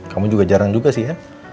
kamu juga jarang juga sih ya